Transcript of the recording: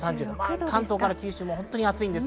関東から九州も暑いです。